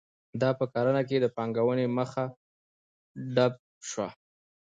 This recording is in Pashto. دا په کرنه کې د پانګونې مخه ډپ شوه.